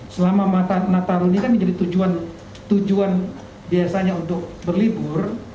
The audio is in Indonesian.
selama natal ini kan jadi tujuan biasanya untuk berlibur